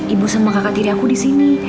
ibu sama kakak tiri aku disini